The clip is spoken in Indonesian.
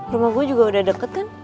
rumah gue juga udah deket kan